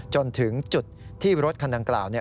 จนถึงจุดที่รถคันดังกล่าว